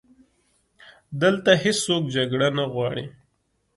دلته هیڅوک جګړه نه غواړي